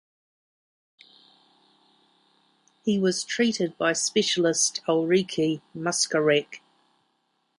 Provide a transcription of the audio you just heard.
He was treated by specialist Ulrike Muschaweck.